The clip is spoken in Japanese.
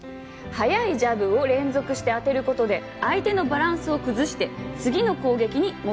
「速いジャブを連続して当てることで相手のバランスを崩して次の攻撃に持っていける」